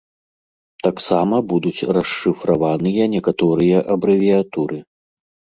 Таксама будуць расшыфраваныя некаторыя абрэвіятуры.